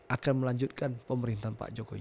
akan melanjutkan pemerintahan pak jokowi